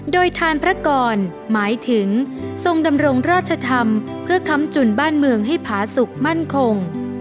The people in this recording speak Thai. โดยทานพระกรหมายถึงทรงดำรงราชธรรมเพื่อค้ำจุนบ้านเมืองให้ผาสุขมั่นคง